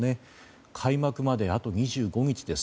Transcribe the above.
開幕まで、あと２５日です。